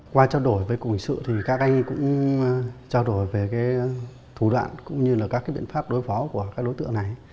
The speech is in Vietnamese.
qua trao đổi với cục hình sự thì các anh cũng trao đổi về thủ đoạn cũng như là các biện pháp đối phó của các đối tượng này